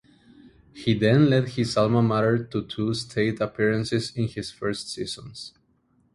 He then led his alma mater to two state appearances in his first seasons.